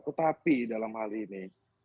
tetapi dalam hal ini